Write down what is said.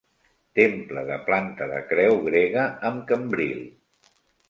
Temple de planta de creu grega amb cambril.